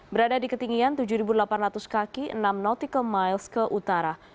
berada di ketinggian tujuh delapan ratus kaki enam nautical miles ke utara